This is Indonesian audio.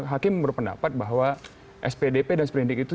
hakim berpendapat bahwa spdp dan seperindik itu